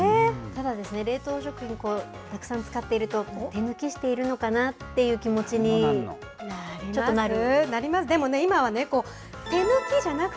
ただですね、冷凍食品、たくさん使っていると、手抜きしているのかなっていう気持ちにちょっとなる。